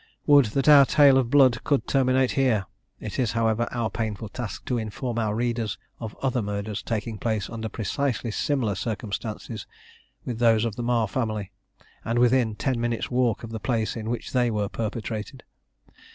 Would that our tale of blood could terminate here! It is, however, our painful task to inform our readers of other murders, taking place under precisely similar circumstances with those of the Marr family, and within ten minutes' walk of the place in which they were perpetrated.